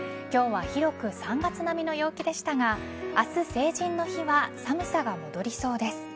今日は広く３月並みの陽気でしたが明日、成人の日は寒さが戻りそうです。